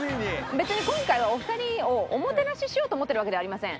別に今回はお二人をおもてなししようと思ってるわけではありません。